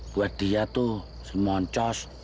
buat dia tuh si moncos